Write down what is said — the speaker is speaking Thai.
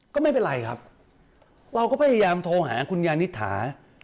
ก็ไม่เป็นไรครับเราก็พยายามโทรหาคุณยานิษฐา